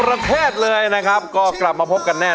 และเงินที่สะสมมาจะตกเป็นของผู้ที่ร้องถูก